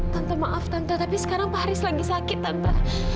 tante maaf tante tapi sekarang pak haris lagi sakit tante